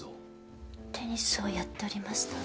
テニスをやっておりました